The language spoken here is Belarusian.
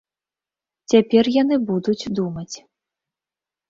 Цяпер яны будуць думаць.